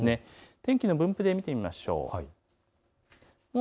天気の分布で見ていきましょう。